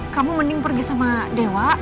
kamu mending pergi sama dewa